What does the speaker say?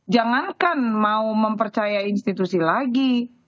jangankan mau mempercaya institusi lagi